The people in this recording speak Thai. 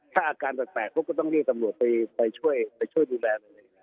ถ้าอาการตัดแปลกพวกก็ต้องที่ตำรวจไปช่วยดูแล